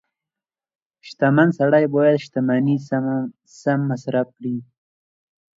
• شتمن سړی باید خپله شتمني سم مصرف کړي.